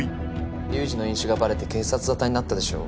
龍二の飲酒がバレて警察沙汰になったでしょ？